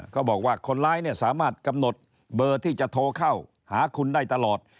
ก็บอกว่าคนร้ายสามารถกำหนดเบอร์ที่จะโทรเข้าหาคุณได้ตลอด